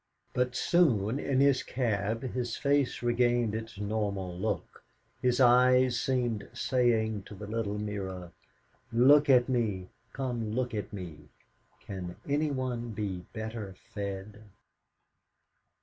But soon, in his cab, his face regained its normal look, his eyes seemed saying to the little mirror, '.ook at me come, look at me can anyone be better fed?'